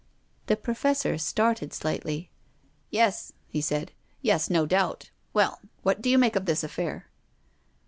The Professor started slightly. " Yes," he said. "Yes, no doubt. Well, what do you make of this affair?"